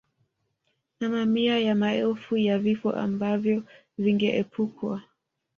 Na mamia ya maelfu ya vifo ambavyo vingeepukwa